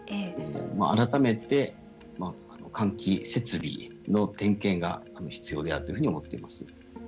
改めて換気設備の点検が必要であるというふうに思っています。